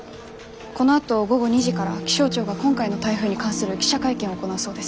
このあと午後２時から気象庁が今回の台風に関する記者会見を行うそうです。